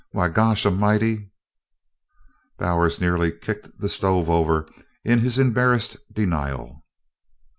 Why Gosh a'mighty " Bowers nearly kicked the stove over in his embarrassed denial.